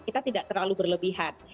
kita tidak terlalu berlebihan